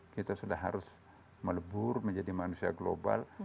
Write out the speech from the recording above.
kita sudah harus melebur menjadi manusia global